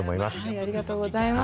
ありがとうございます。